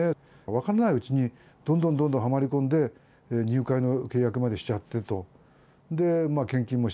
分からないうちに、どんどんどんどんはまり込んで、入会の契約までしちゃってと。